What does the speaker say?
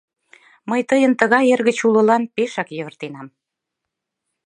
— Мый тыйын тыгай эргыч улылан пешак йывыртенам.